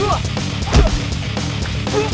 lo sudah bisa berhenti